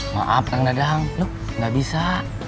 maaf kang dadang lok nggak bisa